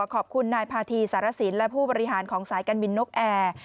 ขอบคุณนายพาธีสารสินและผู้บริหารของสายการบินนกแอร์